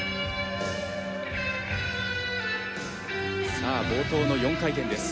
さあ冒頭の４回転です。